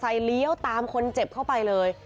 เลี้ยวตามคนเจ็บเข้าไปเลย